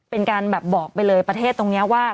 เป็นการแบบบอกไปเลยประเทศตรงนี้ว่า